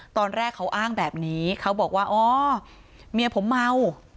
ตอนแรกเขาอ้างแบบนี้เขาบอกว่าอ๋อเมียผมเมา